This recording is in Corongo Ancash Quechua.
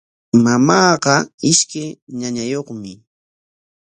Mamaaqa ishkay ñañayuqmi.